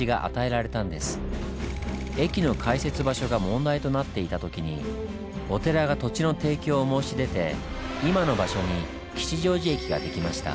駅の開設場所が問題となっていた時にお寺が土地の提供を申し出て今の場所に吉祥寺駅が出来ました。